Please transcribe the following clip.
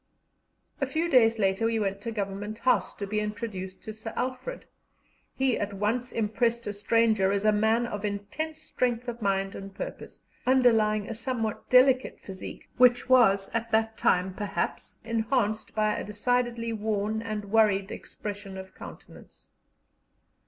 A few days later we went to Government House to be introduced to Sir Alfred; he at once impressed a stranger as a man of intense strength of mind and purpose, underlying a somewhat delicate physique, which was at that time, perhaps, enhanced by a decidedly worn and worried expression of countenance.